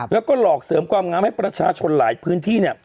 แล้วก็หลอกเสริมความงามให้ประชาชนหลายพื้นที่เนี่ย